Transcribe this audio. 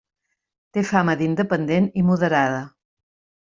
Té fama d'independent i moderada.